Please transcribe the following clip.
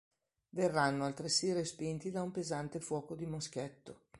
Verranno altresì respinti da un pesante fuoco di moschetto.